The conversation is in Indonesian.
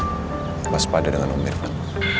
lepas pada dengan om irfan